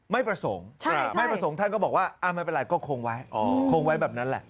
ไม่ประสงค์ท่านก็บอกว่าไม่เป็นไรก็คงไว้แบบนั้นแหละ